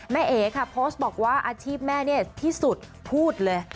เอ๋ค่ะโพสต์บอกว่าอาชีพแม่เนี่ยที่สุดพูดเลย